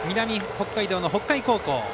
北海道の北海高校。